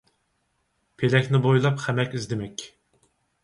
پېلەكنى بويلاپ خەمەك ئىزدىمەك